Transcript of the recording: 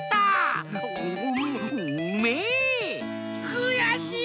くやしい！